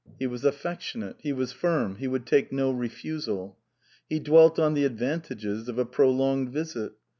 He was affectionate ; he was firm ; he would take no refusal. He dwelt on the advantages of a prolonged visit.